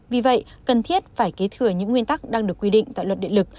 vì vậy cần thiết phải kế thừa những nguyên tắc đang được quy định tại luật điện lực